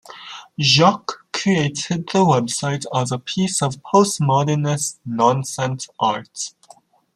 Jacques created the website as a piece of postmodernist "nonsense-art".